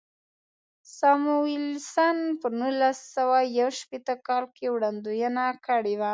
ساموېلسن په نولس سوه یو شپېته کال کې وړاندوینه کړې وه.